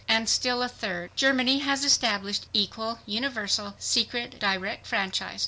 And still a third: GERMANY HAS ESTABLISHED "EQUAL, UNIVERSAL, SECRET, DIRECT FRANCHISE."